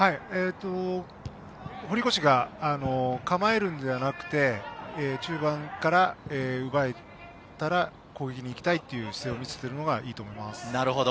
堀越が構えるのではなくて、中盤から奪ったら攻撃に行きたいっていう姿勢を見せているのがいいと思います。